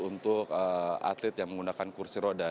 untuk atlet yang menggunakan kursi roda